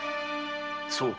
そうか。